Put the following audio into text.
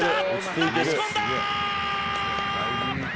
流し込んだ！